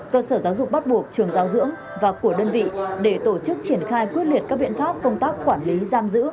cơ sở giáo dục bắt buộc trường giáo dưỡng và của đơn vị để tổ chức triển khai quyết liệt các biện pháp công tác quản lý giam giữ